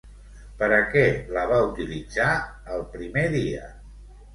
Per a què la va utilitzar el primer dia?